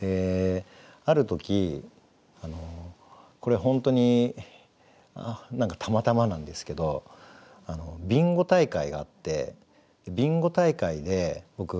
ある時これ本当に何かたまたまなんですけどビンゴ大会があってビンゴ大会で僕カメラが当たったんですね。